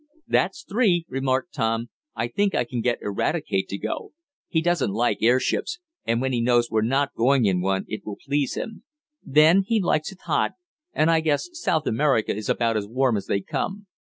"That's three," remarked Tom. "I think I can get Eradicate to go. He doesn't like airships, and when he knows we're not going in one it will please him. Then he likes it hot, and I guess South America is about as warm as they come.